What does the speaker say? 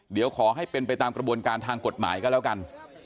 เดี๋ยวขอให้เป็นไปตามกระบวนการทางกฎหมายก็แล้วกัน